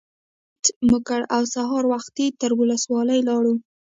پرنټ مو کړ او سهار وختي تر ولسوالۍ لاړو.